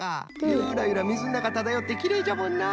ユラユラみずのなかただよってきれいじゃもんな。